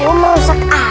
eh lu merusak aja